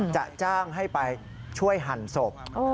จะจ้างให้ไปช่วยหั่นศพ